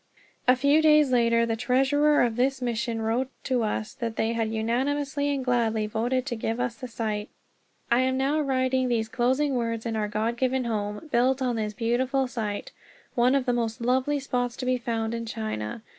A few days later the treasurer of this Mission wrote us that they had unanimously and gladly voted to give us the site. I am now writing these closing words in our God given home, built on this beautiful site, one of the most lovely spots to be found in China.